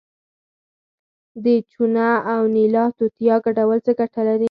د چونه او نیلا توتیا ګډول څه ګټه لري؟